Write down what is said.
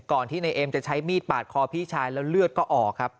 ที่ในเอ็มจะใช้มีดปาดคอพี่ชายแล้วเลือดก็ออกครับ